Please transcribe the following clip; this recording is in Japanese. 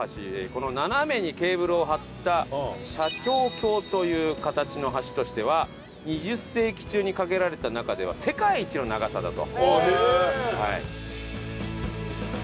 この斜めにケーブルを張った斜張橋という形の橋としては２０世紀中に架けられた中では世界一の長さだと。